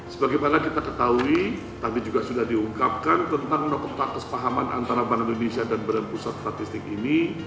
sebagai mana kita ketahui tapi juga sudah diungkapkan tentang notak sepahaman antara bank indonesia dan badan pusat statistik ini